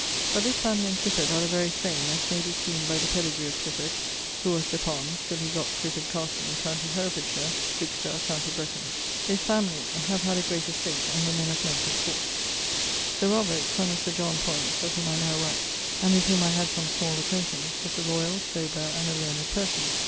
But this family and Clifford are the very same, as may be seen by the pedegre of Clifford, who was de Pons till he gott Clifford castle, in com. Hereff. juxta com. Brecon. This family have had a great estate, and were men of note at Court. Sir Robert, son of Sir John, Poyntz of whom I now write, and with whom I had some small acquaintance, was a loyall, sober, and a learned person.